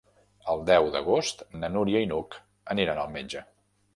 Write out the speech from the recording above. El deu d'agost na Núria i n'Hug aniran al metge.